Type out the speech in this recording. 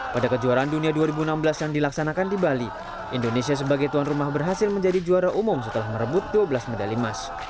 pada kejuaraan dunia dua ribu enam belas yang dilaksanakan di bali indonesia sebagai tuan rumah berhasil menjadi juara umum setelah merebut dua belas medali emas